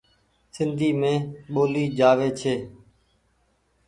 سندي مين ٻولي جآوي ڇي ۔